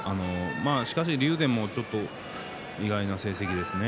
竜電もちょっと意外な成績ですね